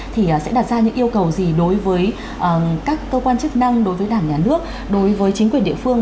thì sẽ đặt ra những yêu cầu gì đối với các cơ quan chức năng đối với đảng nhà nước đối với chính quyền địa phương